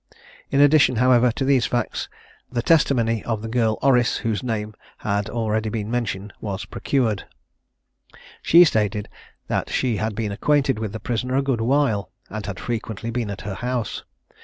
In addition, however, to these facts, the testimony of the girl Orrice, whose name had been already mentioned, was procured. She stated that she had been acquainted with the prisoner a good while, and had frequently been at her house.